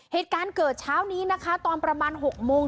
เหตุการณ์เกิดเช้านี้นะคะตอนประมาณ๖โมง